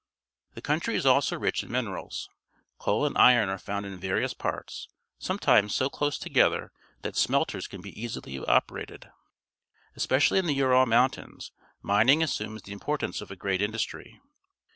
The countrj' is also rich in minerals. Coal_ and ij^on are found in various parts, some times so close together that .smelters can be easily operated. Especially in the Ural Mountains, ininiag assumes the importance of a great industry.